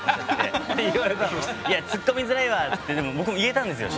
「いやつっこみづらいわ」って僕も言えたんですよ